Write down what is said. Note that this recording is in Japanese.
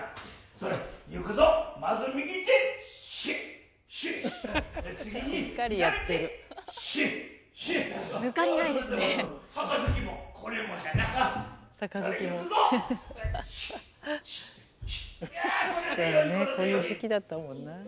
そうだねこういう時期だったもんなあ。